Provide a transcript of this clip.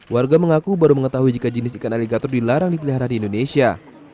warga mengaku baru mengetahui jika jenis ikan aligator dilarang dipelihara di indonesia